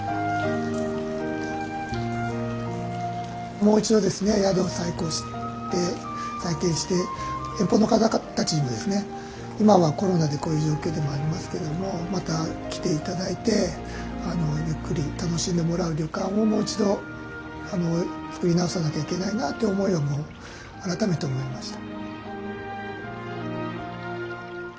もう一度ですね宿を再興して再建して遠方の方たちにもですね今はコロナでこういう状況でもありますけどもまた来て頂いてゆっくり楽しんでもらう旅館をもう一度作り直さなきゃいけないなって思いを改めて思いました。